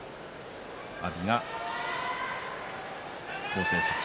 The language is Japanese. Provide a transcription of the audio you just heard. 阿炎が好成績。